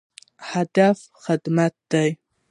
هدف خدمت دی